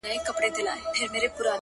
o هغه به چاسره خبري کوي؛